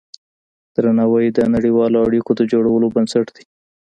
درناوی د نړیوالو اړیکو د جوړولو بنسټ دی.